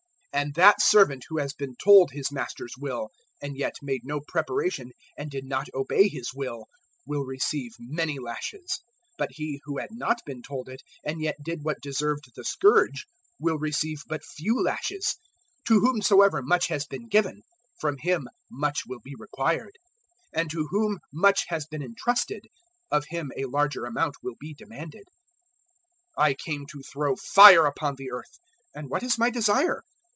012:047 And that servant who has been told his Master's will and yet made no preparation and did not obey His will, will receive many lashes. 012:048 But he who had not been told it and yet did what deserved the scourge, will receive but few lashes. To whomsoever much has been given, from him much will be required; and to whom much has been entrusted, of him a larger amount will be demanded. 012:049 "I came to throw fire upon the earth, and what is my desire?